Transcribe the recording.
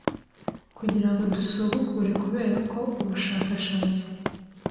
Kugira ngo dusubukure kubera ko ubushakashatsi